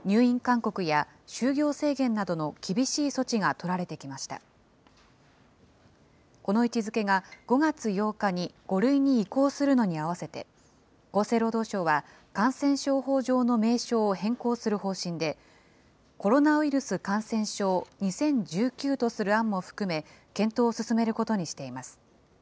この位置づけが５月８日に５類に移行するのに合わせて、厚生労働省は感染症法上の名称を変更する方針で、コロナウイルス感染症２０１９とする案も含め、検討を進めることにしています。